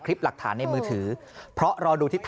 นี่โตมาแล้วมาโดนแบบนี้